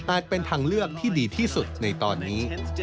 เป็นทางเลือกที่ดีที่สุดในตอนนี้